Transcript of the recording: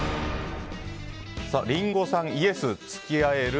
リンゴさん、イエス、付き合える。